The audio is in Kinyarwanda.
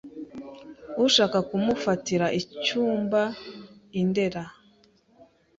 ushaka kumufatira icyumba i ndera